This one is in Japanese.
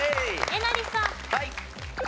えなりさん。